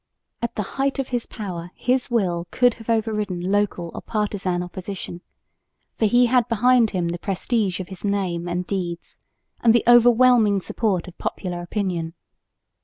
At the height of his power his will could have over ridden local or partisan opposition, for he had behind him the prestige of his name and deeds and the overwhelming support of popular opinion.